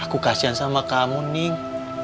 aku kasihan sama kamu nih